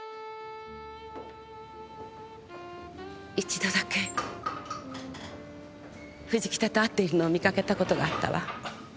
一度だけ藤北と会っているのを見かけた事があったわ。